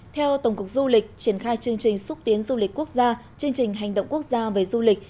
theo tổng cục du lịch triển khai chương trình xúc tiến du lịch quốc gia chương trình hành động quốc gia về du lịch